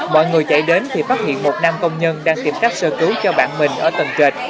mọi người chạy đến thì phát hiện một nam công nhân đang tìm cách sơ cứu cho bạn mình ở tầng trệt